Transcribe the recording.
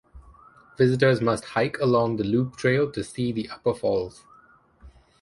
Visitors must hike along the loop trail to see the upper falls.